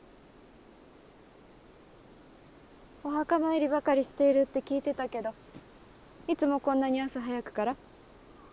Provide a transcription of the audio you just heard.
お墓参りばかりしているって聞いてたけどいつもこんなに朝早くから？